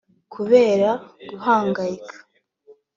Kubera guhangayika